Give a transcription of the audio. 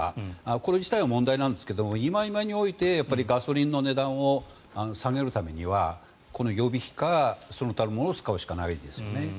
これ自体が問題なんですが今においてガソリンの値段を下げるためにはこの予備費か、その他のものを使うしかないですよね。